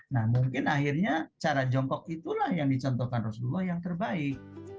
nah mungkin akhirnya cara jongkok itulah yang dicontohkan rasulullah yang terbaik